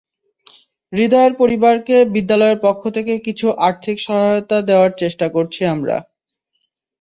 হৃদয়ের পরিবারকে বিদ্যালয়ের পক্ষ থেকে কিছু আর্থিক সহায়তা দেওয়ার চেষ্টা করছি আমরা।